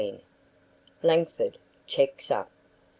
LANGFORD CHECKS UP.